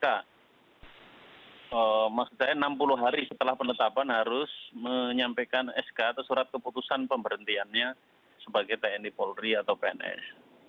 maksud saya enam puluh hari setelah penetapan harus menyampaikan sk atau surat keputusan pemberhentiannya sebagai tni polri atau pns